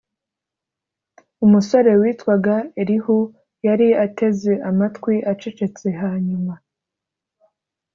Umusore witwaga Elihu yari ateze amatwi acecetse Hanyuma